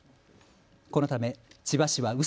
このため千葉市はう